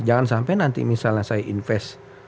jangan sampai nanti misalnya saya invest